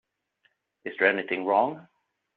Is there anything wrong?